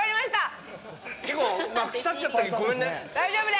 大丈夫ね？